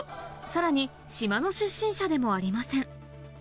さらに島の出身者でもありません。